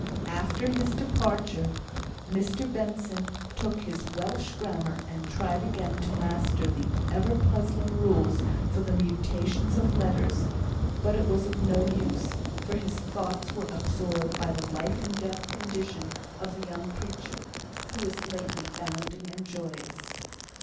After his departure, Mr Benson took his Welsh grammar and tried again to master the ever puzzling rules for the mutations of letters; but it was of no use, for his thoughts were absorbed by the life in death condition of the young creature, who was lately bounding and joyous.